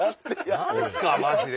何すか⁉マジで！